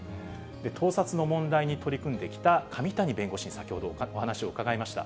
盗撮の問題に取り組んできた上谷弁護士に先ほどお話を伺いました。